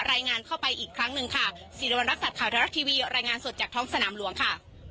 รายงานเข้าไปอีกครั้งหนึ่งค่ะสิริวัณรักษัตริย์ข่าวเทวรัฐทีวีรายงานสดจากท้องสนามหลวงค่ะ